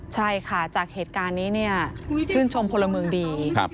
ใช่ค่ะจากเหตุการณ์นี้เนี่ยชื่นชมพลเมืองดี